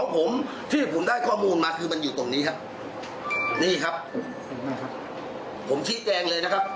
ผมตอบถามเด็กแล้วเด็กกันจะไม่โกหกหรอกครับ